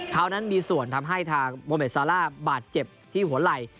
เขานั้นมีส่วนทำให้ทางโมเมดซาร่าบาดเจ็บที่หัวไหล่